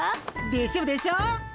でしょでしょ。